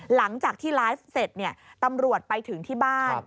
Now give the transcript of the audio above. หลังจากที่ไลฟ์เสร็จตำรวจไปถึงที่บ้าน